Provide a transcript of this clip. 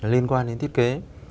liên quan đến thiết kế